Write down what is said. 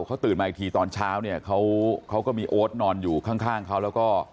เขาตื่นมาอีกทีตอนเช้าเขาก็มีโอ๊ชนอนอยู่ข้างครับ